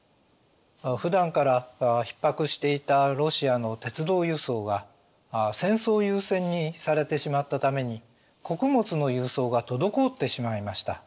普段からひっ迫していたロシアの鉄道輸送が戦争優先にされてしまったために穀物の輸送が滞ってしまいました。